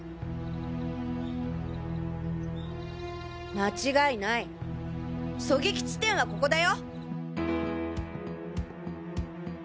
間違いない狙撃地点はここだよ。